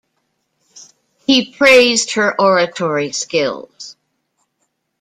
He praised her oratory skills.